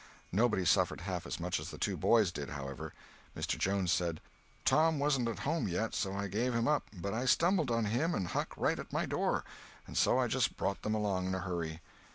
Nobody suffered half as much as the two boys did, however. Mr. Jones said: "Tom wasn't at home, yet, so I gave him up; but I stumbled on him and Huck right at my door, and so I just brought them along in a hurry."